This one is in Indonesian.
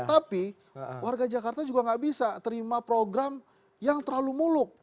tapi warga jakarta juga nggak bisa terima program yang terlalu muluk